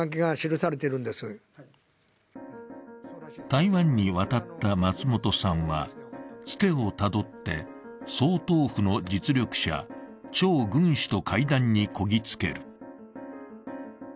台湾に渡った松本さんはつてをたどって、総統府の実力者・張群氏と会談にこぎつける。